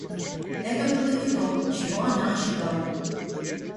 Это было не то, чего она ожидала.